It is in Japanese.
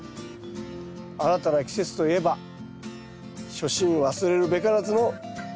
新たな季節といえば初心忘るべからずの藤田智です。